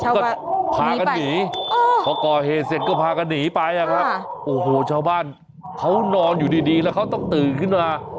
ก็พากันหนีพอก่อเหตุเสร็จก็พากันหนีไปครับโอ้โหชาวบ้านเขานอนอยู่ดีแล้วเขาต้องตื่นขึ้นมา